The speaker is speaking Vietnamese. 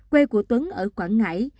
quê của tuấn ở quảng ngãi